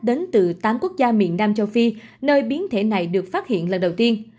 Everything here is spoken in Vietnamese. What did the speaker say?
đến từ tám quốc gia miền nam châu phi nơi biến thể này được phát hiện lần đầu tiên